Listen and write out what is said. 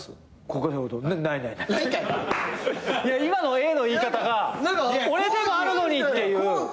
いや今の「えっ！？」の言い方が「俺でもあるのに」っていう。